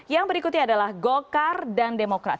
yang berikutnya adalah golkar dan demokrat